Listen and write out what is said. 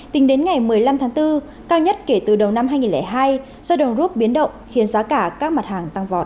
tính đến ngày một mươi năm tháng bốn cao nhất kể từ đầu năm hai nghìn hai do đồng rút biến động khiến giá cả các mặt hàng tăng vọt